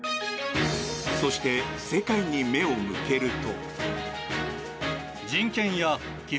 そして、世界に目を向けると。